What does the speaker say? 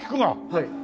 はい。